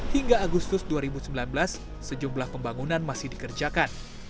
hingga agustus dua ribu sembilan belas sejumlah pembangunan masih dikerjakan